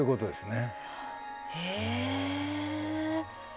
へえ。